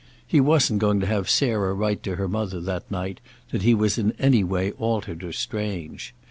He wasn't going to have Sarah write to her mother that night that he was in any way altered or strange.